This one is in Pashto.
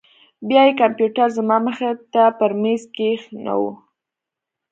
بيا يې کمپيوټر زما مخې ته پر ميز کښېښوو.